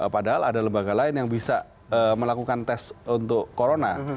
padahal ada lembaga lain yang bisa melakukan tes untuk corona